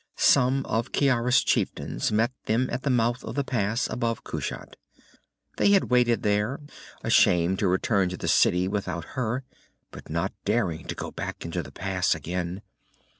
Some of Ciara's chieftains met them at the mouth of the pass above Kushat. They had waited there, ashamed to return to the city without her, but not daring to go back into the pass again.